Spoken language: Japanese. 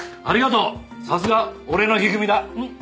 ありがとうさすが俺の一二三だ！